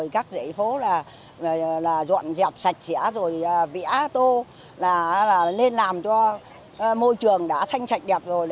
các dãy phố dọn dẹp sạch sẽ vĩa tô nên làm cho môi trường đã xanh sạch đẹp rồi